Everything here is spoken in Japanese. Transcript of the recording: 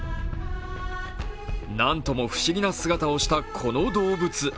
なんとも不思議な姿をしたこの動物。